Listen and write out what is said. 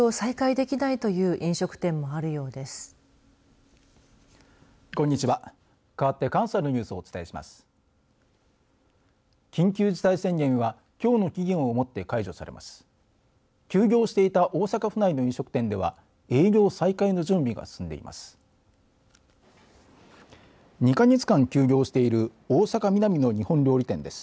休業していた大阪府内の飲食店では営業再開の準備が進んでいます。